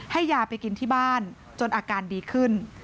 ให้ยาไปกินที่บ้านจนอาการดีขึ้น